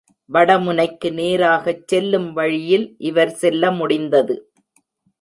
வட முனைக்கு நேராகச் செல்லும் வழியில் இவர் செல்ல முடிந்தது.